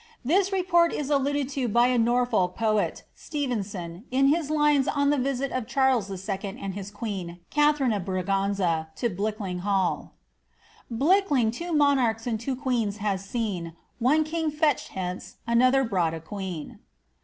This report is alluded to by a Norfolk poet, Stephenson, in his lines on the visit of Charles II. tod his queen, Kjttharine of Braganza, to Blickling Hall :—Blickling two monarchs and two queens has seen, One king fetched hence, another brought a queen."